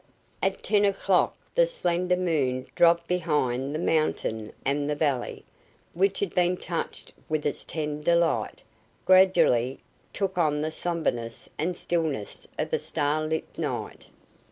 At ten o'clock the slender moon dropped behind the mountain, and the valley, which had been touched with its tender light, gradually took on the somberness and stillness of a star lit night.